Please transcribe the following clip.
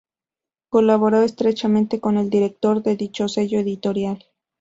Colaboró estrechamente con el director de dicho sello editorial.